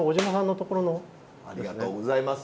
ありがとうございます。